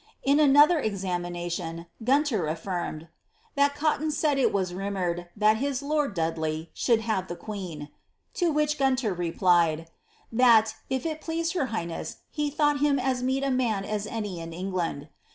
In another examination, Guntor affirmed, '' that Cotton said it t ns rumoured, that his lord (Dudley) should have the queen ;" to ■; vhich Guntor replied, ^^that, if it pleased her highness, he thought him 1 V meet a man as any in England."